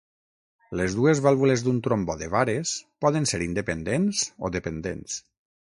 Les dues vàlvules d'un trombó de vares poden ser independents o dependents.